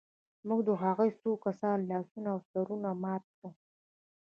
موږ د هغوی د څو کسانو لاسونه او سرونه مات کړل